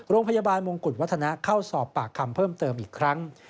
โรงพยาบาลมงกุฎวัฒนะเข้าสอบปากคำเพิ่มเติมอีกครั้ง